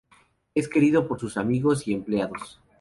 Es querido por sus amigos y empleados.